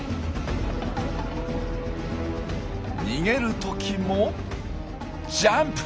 逃げる時もジャンプ！